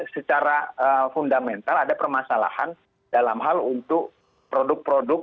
secara fundamental ada permasalahan dalam hal untuk produk produk